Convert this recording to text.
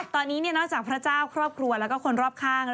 ตอนนี้นอกจากพระเจ้าครอบครัวแล้วก็คนรอบข้าง